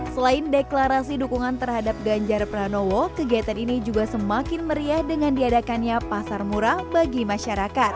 selain deklarasi dukungan terhadap ganjar pranowo kegiatan ini juga semakin meriah dengan diadakannya pasar murah bagi masyarakat